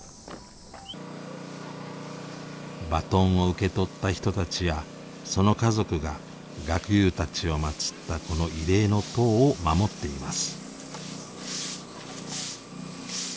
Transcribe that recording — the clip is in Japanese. バトンを受け取った人たちやその家族が学友たちを祀ったこの慰霊の塔を守っています。